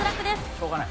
しょうがない。